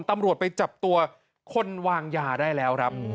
ตำรวจไปจับตัวคนวางยาได้แล้วครับ